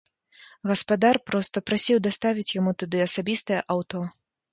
Гаспадар проста прасіў даставіць яму туды асабістае аўто.